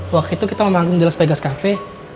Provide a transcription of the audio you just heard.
waktu itu kita ngomongin jelas vegas cafe